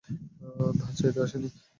ধার চাইতে আসি নি।